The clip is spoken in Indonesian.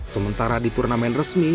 sementara di turnamen resmi